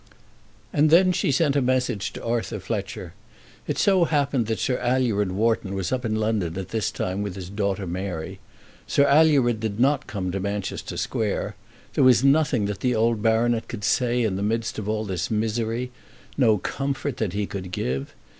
And then she sent a message to Arthur Fletcher. It so happened that Sir Alured Wharton was up in London at this time with his daughter Mary. Sir Alured did not come to Manchester Square. There was nothing that the old baronet could say in the midst of all this misery, no comfort that he could give.